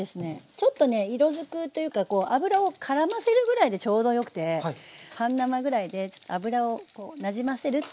ちょっとね色づくというか油をからませるぐらいでちょうどよくて半生ぐらいで油をなじませるっていう。